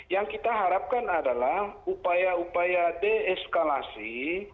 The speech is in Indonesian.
yang kita harapkan adalah upaya upaya deeskalasi